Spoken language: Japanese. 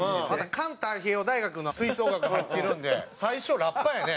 環太平洋大学の吹奏楽入ってるんで最初ラッパやね？